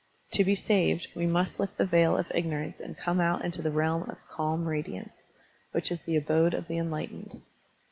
To be saved, we must lift the veil of ignorance and come out into the realm of "calm radiance/' which is the abode of the enlightened.